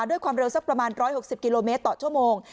ด้วยความเร็วสักประมาณ๑๖๐กิโลเมตรต่อชั่วโมง